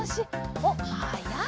おっはやいね！